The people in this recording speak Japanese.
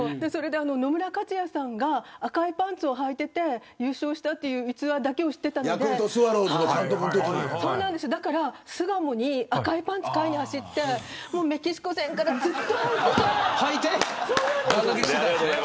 野村克也さんが赤いパンツをはいていて優勝したという逸話だけ知ってたんで巣鴨に赤いパンツを買いに走ってメキシコ戦からずっとはいてて。